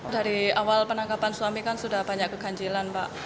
dari awal penangkapan suami kan sudah banyak keganjilan pak